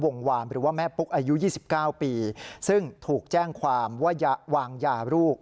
วามหรือว่าแม่ปุ๊กอายุ๒๙ปีซึ่งถูกแจ้งความว่าวางยาลูก